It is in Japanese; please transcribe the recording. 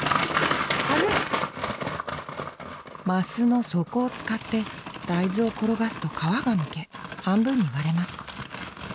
升の底を使って大豆を転がすと皮がむけ半分に割れます。